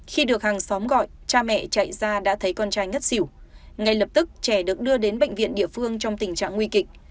khi được hàng xóm gọi cha mẹ chạy ra đã thấy con trai ngất xỉu ngay lập tức trẻ được đưa đến bệnh viện địa phương trong tình trạng nguy kịch